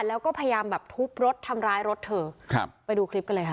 แล้วก็พยายามแบบทุบรถทำร้ายรถเธอครับไปดูคลิปกันเลยค่ะ